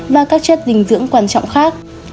và các chất dinh dưỡng quan trọng khác